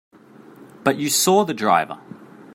But you saw the driver!